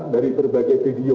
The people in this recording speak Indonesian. dari berbagai video